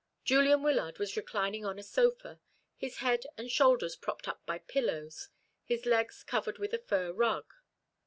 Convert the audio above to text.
Julian Wyllard was reclining on a sofa, his head and shoulders propped up by pillows, his legs covered with a fur rug.